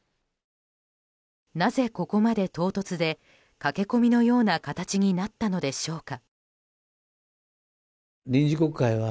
なぜここまで唐突で駆け込みのような形になったのでしょうか。